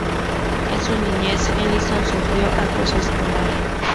En su niñez Ellison sufrió acoso escolar.